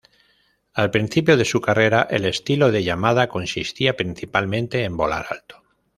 Al principio de su carrera, el estilo de Yamada consistía principalmente en volar alto.